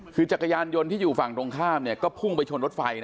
คือจักรยานยนต์ที่อยู่ฝั่งตรงข้ามก็พุ่งไปชนรถไฟ